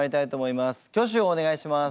挙手をお願いします。